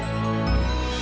ya enggak sih